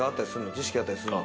知識あったりすんの？